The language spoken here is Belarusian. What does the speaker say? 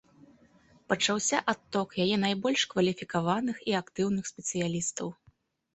Пачаўся адток яе найбольш кваліфікаваных і актыўных спецыялістаў.